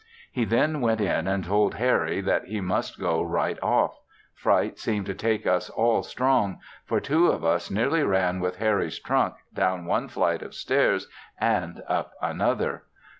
He then went in and told Harry that he must go right off; fright seemed to make us all strong, for two of us nearly ran with Harry's trunk down one flight of stairs and up another.